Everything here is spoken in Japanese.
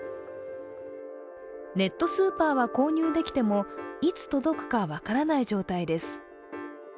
ネットスーパーは購入できてもいつ届くか分からない状態です。